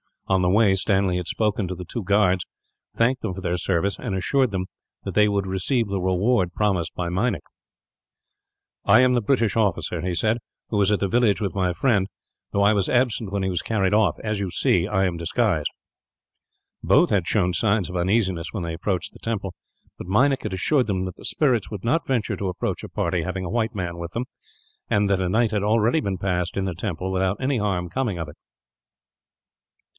On the way, Stanley had spoken to the two guards, thanked them for their service, and assured them that they would receive the reward promised by Meinik. "I am the British officer," he said, "who was at the village with my friend, though I was absent when he was carried off. As you see, I am disguised." Both had shown signs of uneasiness, when they approached the temple; but Meinik had assured them that the spirits would not venture to approach a party having a white man with them, and that a night had already been passed in the temple, without any harm coming of it.